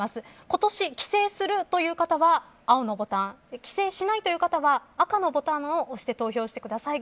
今年帰省するという方は青のボタン帰省しないという方は赤のボタンを押して投票してください。